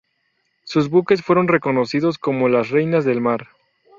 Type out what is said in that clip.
Sus buques fueron conocidos como "las Reinas del Mar".